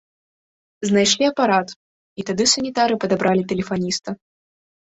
Знайшлі апарат, і тады санітары падабралі тэлефаніста.